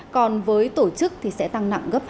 còn với tổ chức sẽ tăng nặng gấp hai lần